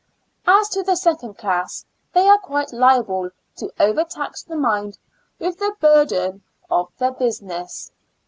As to the second class, they are quite liable to overtax the mind with the burthen of their business.